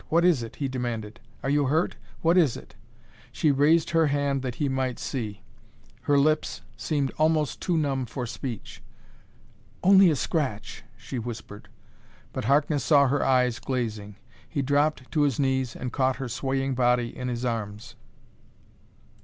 "What is it?" he demanded. "Are you hurt? What is it?" She raised her hand that he might see; her lips, seemed almost too numb for speech. "Only a scratch," she whispered, but Harkness saw her eyes glazing. He dropped to his knees and caught her swaying body in his arms.